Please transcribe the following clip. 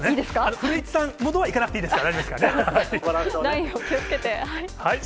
古市さんほどはいかなくていいですから。